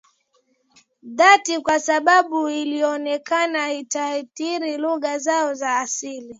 dhati kwasababu ilionekena itaatiri lugha zao za asili